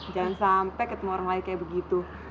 jangan sampai ketemu orang lain kayak begitu